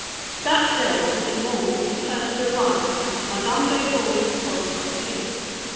That day Bouthemont was the first to arrive at Madame Desforges's four o'clock tea.